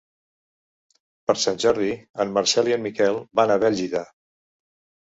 Per Sant Jordi en Marcel i en Miquel van a Bèlgida.